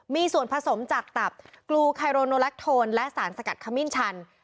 มีส่วนผสมจากตับกลูไคโรโนแลคโทนและสารสกัดขมิ้นชัน